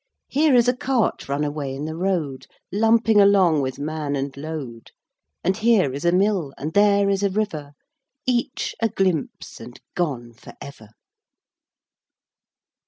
Here is a cart run away in the road Lumping along with man and load; And here is a mill, and there is a river Each a glimpse and gone forever!